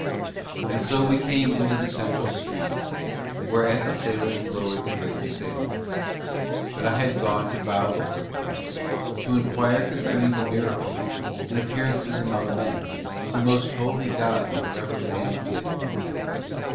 And so we came into the central stream, whereat the sailors lowered the greater sails. But I had gone to bow before the captain, and to inquire concerning the miracles, and appearances among men, of the most holy gods of whatever land he had come from.